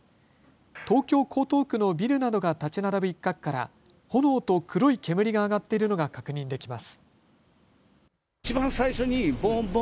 東京江東区のビルなどが建ち並ぶ一角から炎と黒い煙が上がっているのが確認できます。